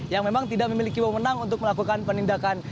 yang memang tidak memiliki wewenang untuk melakukan penindakan